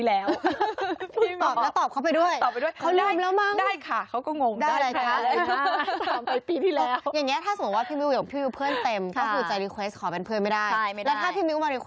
สูงสุดได้แค่๕๐๐๐คนแต่ว่าที่เหลือคนต้องกดติดตามเอา